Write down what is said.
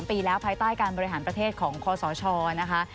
ปีแล้วภายใต้การบริหารประเทศของคอสชนะคะ